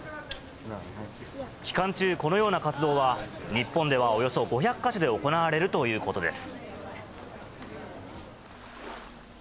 期間中、このような活動は、日本ではおよそ５００か所で行われるということです。